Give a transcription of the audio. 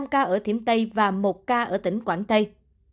năm ca ở thiểm tây và một ca ở tỉnh quảng tây